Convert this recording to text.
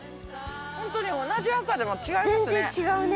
ホントに同じ赤でも違いますね。